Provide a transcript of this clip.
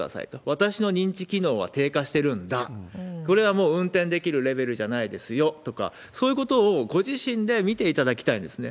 私の認知機能は低下してるんだ、これはもう運転できるレベルじゃないですよとか、そういうことをご自身で見ていただきたいんですね。